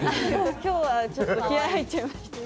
今日はちょっと気合い入っちゃいました。